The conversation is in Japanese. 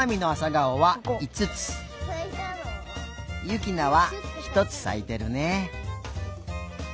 ゆきなはひとつさいてるね。